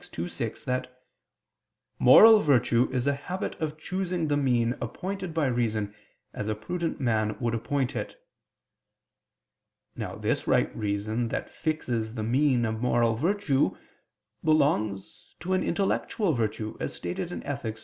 ii, 6) that "moral virtue is a habit of choosing the mean appointed by reason as a prudent man would appoint it." Now this right reason that fixes the mean of moral virtue, belongs to an intellectual virtue, as stated in _Ethic.